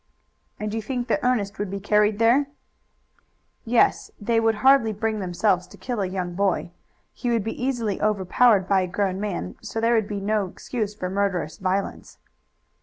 "And you think that Ernest would be carried there?" "Yes, they would hardly bring themselves to kill a young boy. He would be easily overpowered by a grown man, so that there would be no excuse for murderous violence."